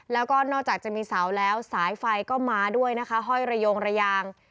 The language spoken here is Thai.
แล้วก็นอกจากจะมีเสาแล้วสายไฟก็มาด้วยนะคะห้อยระยงระยาง